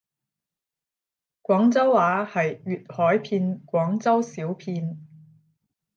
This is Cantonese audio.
廣州話係粵海片廣州小片